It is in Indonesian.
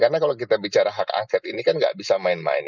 karena kalau kita bicara hak angket ini kan nggak bisa main main